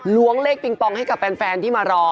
ล้วงเลขปิงปองให้กับแฟนที่มารอ